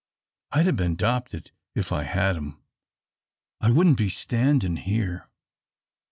I'd 'a' been 'dopted if I had 'em. I wouldn't be standin' here."